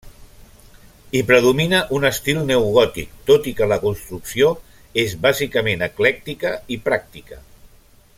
Hi predomina un estil neogòtic, tot i que la construcció és bàsicament eclèctica i pràctica.